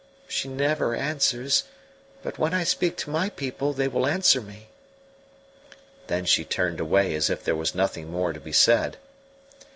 She never answers, but when I speak to my people they will answer me." Then she turned away as if there was nothing more to be said.